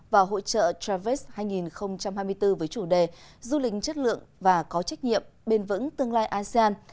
và hội trợ travest hai nghìn hai mươi bốn với chủ đề du lịch chất lượng và có trách nhiệm bền vững tương lai asean